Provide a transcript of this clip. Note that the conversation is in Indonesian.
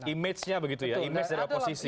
image nya begitu ya image dari oposisi